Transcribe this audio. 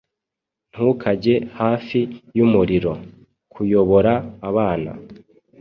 Ntukajye hafi yumuriro_kuyobora abana